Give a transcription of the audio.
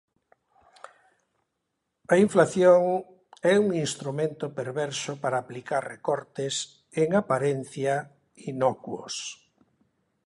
A inflación é un instrumento perverso para aplicar recortes, en aparencia, inocuos.